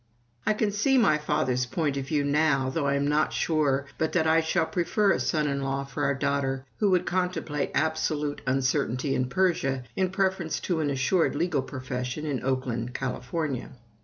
I can see my father's point of view now, though I am not sure but that I shall prefer a son in law for our daughter who would contemplate absolute uncertainty in Persia in preference to an assured legal profession in Oakland, California.